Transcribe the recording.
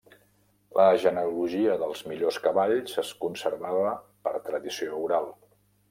La genealogia dels millors cavalls es conservava per tradició oral.